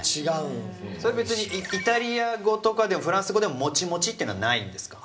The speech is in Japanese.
それは別にイタリア語とかでもフランス語でも「モチモチ」というのはないんですか？